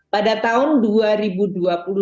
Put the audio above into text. pada tahun dua ribu dua puluh dua yang lalu